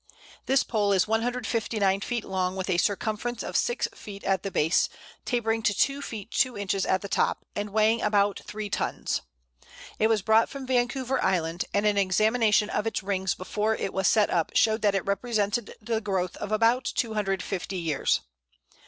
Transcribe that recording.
This pole is 159 feet long, with a circumference of 6 feet at the base, tapering to 2 feet 2 inches at the top, and weighing about 3 tons. It was brought from Vancouver Island, and an examination of its rings before it was set up showed that it represented the growth of about 250 years.